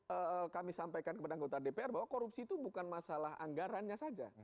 yang kami sampaikan kepada anggota dpr bahwa korupsi itu bukan masalah anggarannya saja